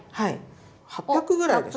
８００ぐらいですね。